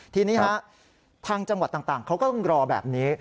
ทีนี้ทางจังหวัดต่างเขาก็ต้องรอแบบนี้